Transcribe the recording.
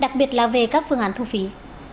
đặc biệt là về các phương án thu phí